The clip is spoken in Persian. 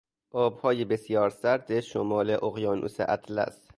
آبهای بسیار سرد شمال اقیانوس اطلس